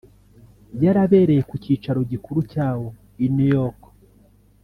yarabereye ku cyicaro gikuru cyawo i New York